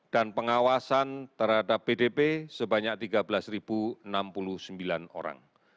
dan pengawasan terhadap pdb sebanyak tiga belas enam puluh sembilan orang